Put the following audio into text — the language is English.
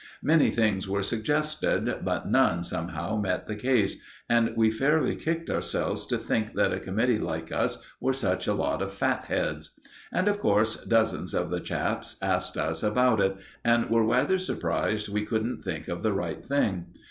Many things were suggested, but none, somehow, met the case, and we fairly kicked ourselves to think that a committee like us were such a lot of fatheads. And, of course, dozens of the chaps asked us about it, and were rather surprised we couldn't think of the right thing.